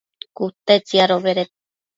cute tsiadobeded